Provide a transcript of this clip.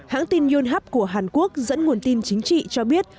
hãng tin yonhap của hàn quốc dẫn nguồn tin chính trị cho biết